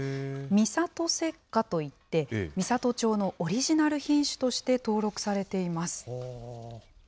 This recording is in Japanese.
美郷雪華といって、美郷町のオリジナル品種として登録されています。